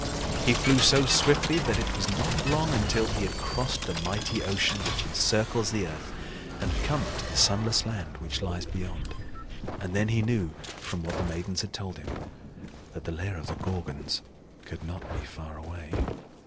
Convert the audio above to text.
He flew so swiftly that it was not long until he had crossed the mighty ocean which encircles the earth, and had come to the sunless land which lies beyond; and then he knew, from what the Maidens had told him, that the lair of the Gorgons could not be far away.